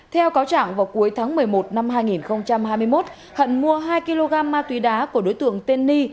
theo cáo trạng vào cuối tháng một mươi một năm hai nghìn hai mươi một hận mua hai kg ma túy đá của đối tượng tên ni